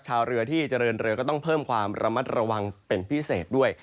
ชาวเรือที่เจริญเรือก็ต้องเพิ่มความระมัดระวังเป็นพิเศษด้วย